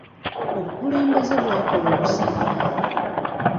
Obukulembeze bwakola okusalawo.